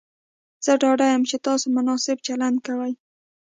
زه ډاډه یم چې تاسو مناسب چلند کوئ.